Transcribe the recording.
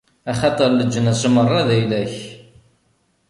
Axaṭer leǧnas merra d ayla-k!